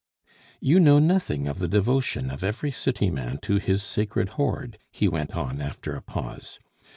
"You know nothing of the devotion of every city man to his sacred hoard!" he went on, after a pause.